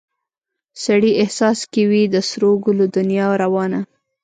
سړي احساس کې وي د سرو ګلو دنیا روانه